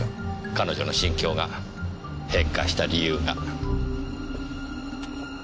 彼女の心境が変化した理由が。